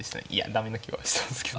駄目な気はしたんですけど。